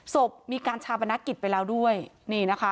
ศพมีการชาปนกิจไปแล้วด้วยนี่นะคะ